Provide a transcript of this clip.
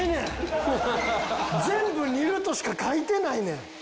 全部煮るとしか書いてないねん。